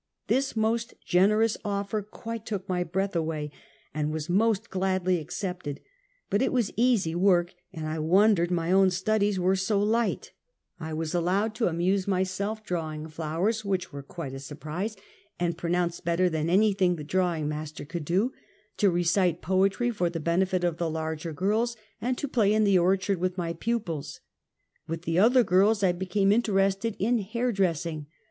This most generous offer quite took my breath away, and was most gladly accepted; but it was easy work, and I wondered my own studies were so light. I 28 Half a Centuet. was allowed to amuse myself drawing flowers, whicli were quite a surprise, and pronounced better than any thing the drawing master could do — to recite poetry, for tlie benefit of the larger girls, and to play in the orchard with my pupils. With the other girls, I became interested in hair dressing.